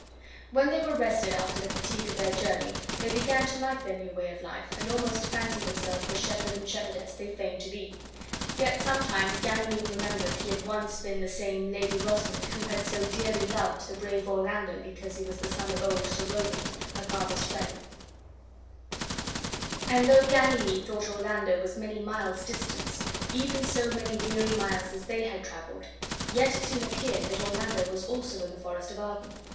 When they were rested after the fatigue of their journey, they began to like their new way of life, and almost fancied themselves the shepherd and shepherdess they feigned to be. Yet sometimes Ganymede remembered be had once been the same Lady Rosalind who had so dearly loved the brave Orlando because be was the son of old Sir Rowland, her father's friend; and though Ganymede thought that Orlando was many miles distant, even so many weary miles as they had traveled, yet it soon appeared that Orlando was also in the forest of Arden.